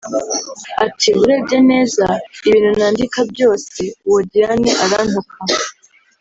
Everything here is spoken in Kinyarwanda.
Ati “Urebye neza ibintu nandika byose uwo Diane arantuka